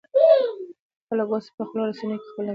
خلک اوس په خواله رسنیو کې خپل نظر شریکوي.